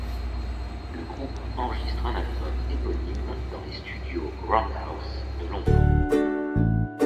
Le groupe enregistre un album éponyme dans les studios Roundhouse de Londres.